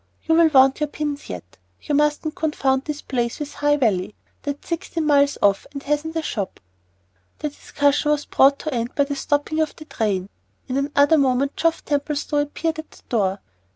You'll want your pins yet. You mustn't confound this place with High Valley. That's sixteen miles off and hasn't a shop." The discussion was brought to end by the stopping of the train. In another moment Geoff Templestowe appeared at the door.